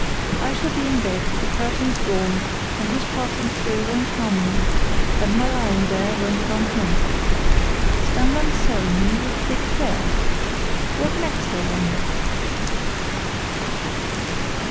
I shall be in bed, with the curtains drawn, and his passing through won't harm me, and my lying there won't harm him. Stand on ceremony with Dick Hare! What next, I wonder?"